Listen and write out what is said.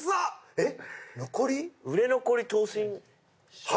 えっ！